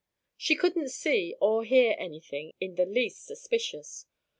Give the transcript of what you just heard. She couldn't see or hear anything in the least suspicious.